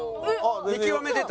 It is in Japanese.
見極めてた？